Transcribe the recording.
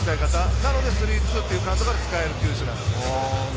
なので、スリーツーというカウントで使える球種なんですよね。